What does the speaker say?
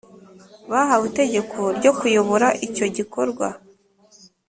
bahawe itegeko ryo kuyobora icyo gikorwa